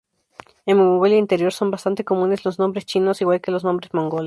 En Mongolia Interior son bastante comunes los nombres chinos, igual que los nombres mongoles.